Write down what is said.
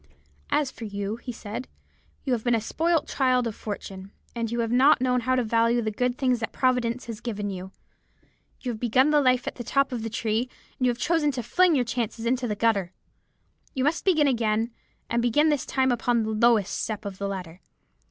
"'As for you,' he said, 'you have been a spoilt child of fortune, and you have not known how to value the good things that Providence has given you. You have begun life at the top of the tree, and you have chosen to fling your chances into the gutter. You must begin again, and begin this time upon the lowest step of the ladder.